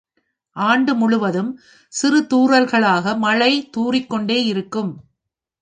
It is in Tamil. ஆண்டு முழுவதும் சிறு தூறல்களாக மழை தூறிக்கொண்டே இருக்கும்.